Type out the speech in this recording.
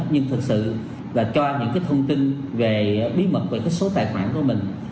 nhưng thật sự là cho những thông tin về bí mật về số tài khoản của mình